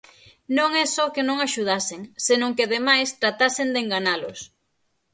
Non é só que non axudasen, senón que ademais tratasen de enganalos.